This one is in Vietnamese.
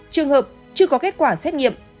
trường hợp chưa có kết quả xét nghiệm